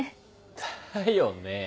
だよね。